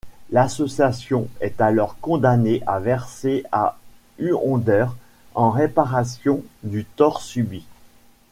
L'association est alors condamnée à verser à Huonder, en réparation du tort subi.